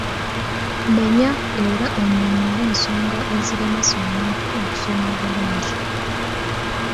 Menya era onnyonnyole ensonga eziremesa omuntu okusoma obulungi.